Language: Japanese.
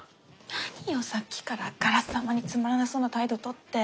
何よさっきからあからさまにつまらなそうな態度とって。